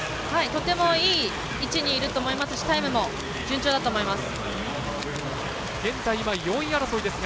とてもいい位置にいると思いますしタイムも順調だと思います。